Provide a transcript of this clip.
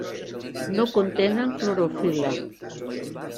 No contenen clorofil·la.